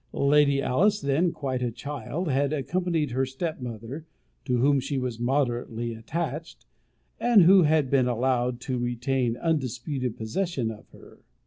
Lady Alice, then quite a child, had accompanied her stepmother, to whom she was moderately attached, and who had been allowed to retain undisputed possession of her.